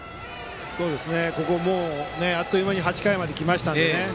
もうあっという間に８回まできましたから。